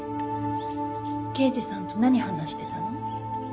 刑事さんと何話してたの？